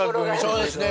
そうですね